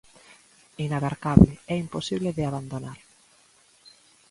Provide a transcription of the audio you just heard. Inabarcable e imposible de abandonar.